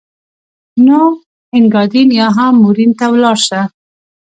نو اینګادین یا هم مورین ته ولاړ شه.